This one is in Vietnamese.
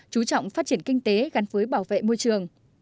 chú trọng phát triển kinh tế gắn với bảo vệ môi trường